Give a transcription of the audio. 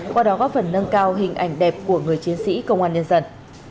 qua đó góp phần nâng cao hình ảnh đẹp của người chiến sĩ công an nhân dân